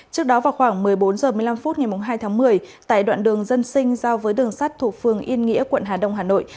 trước đó vào khoảng một mươi bốn h một mươi năm phút ngày hai tháng một mươi tại đoạn đường dân sinh giao với đường sắt thuộc phường yên nghĩa quận hà đông hà nội